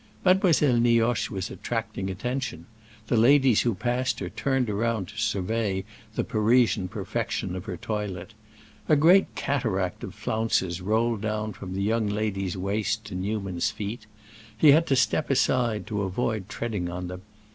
Mademoiselle Nioche was attracting attention: the ladies who passed her turned round to survey the Parisian perfection of her toilet. A great cataract of flounces rolled down from the young lady's waist to Newman's feet; he had to step aside to avoid treading upon them.